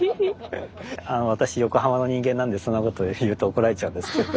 私横浜の人間なんでそんなことを言うと怒られちゃうんですけど。